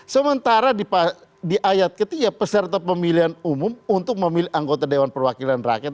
sementara di ayat ketiga peserta pemilihan umum untuk memilih anggota dewan perwakilan rakyat